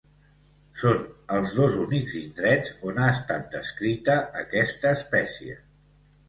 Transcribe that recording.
Són els dos únics indrets on ha estat descrita aquesta espècie.